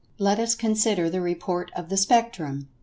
Let us consider the report of the Spectrum.